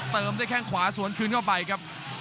เติมได้แค่ขวาสวนคืนเข้าไปครับ